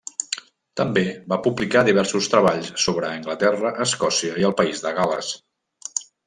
També va publicar diversos treballs sobre Anglaterra, Escòcia i el País de Gal·les.